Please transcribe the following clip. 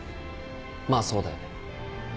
まあそうだよね。